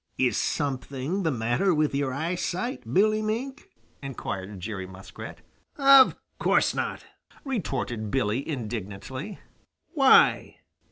"Is something the matter with your eyesight, Billy Mink?" inquired Jerry Muskrat. "Of course not!" retorted Billy indignantly. "Why?"